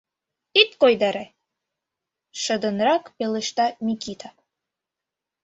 — Ит койдаре! — шыдынрак пелешта Микита.